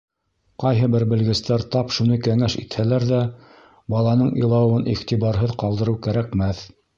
Ҡайһы бер белгестәр тап шуны кәңәш итһәләр ҙә, баланың илауын иғтибарһыҙ ҡалдырыу кәрәкмәҫ.